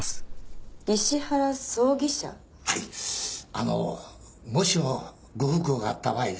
あのうもしもご不幸があった場合ですね